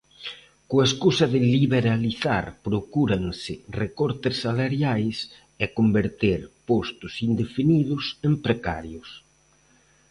Coa escusa de 'liberalizar' procúranse recortes salariais e converter postos indefinidos en precarios.